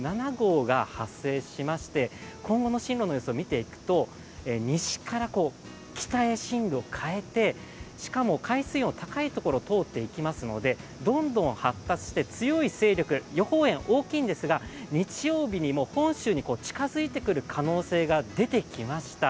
今後の進路の予想を見ていくと、西から北へ進路を変えて、しかも海水温が高いところを通っていきますのでどんどん発達して強い勢力、予報円、大きいんですが日曜日にも本州に近づいてくる可能性が出てきました。